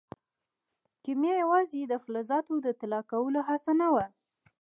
کیمیا یوازې د فلزاتو د طلا کولو هڅه نه وه.